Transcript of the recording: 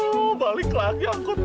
udah balik lagi angkot gue